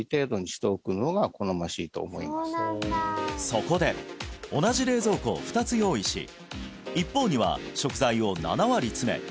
そこで同じ冷蔵庫を２つ用意し一方には食材を７割詰め